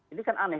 ini kan aneh